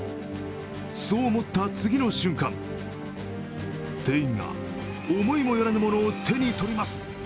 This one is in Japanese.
そう思った次の瞬間、店員が思いもよらぬものを手に取ります。